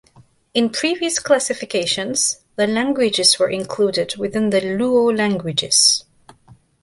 In previous classifications, the languages were included within the Luo languages.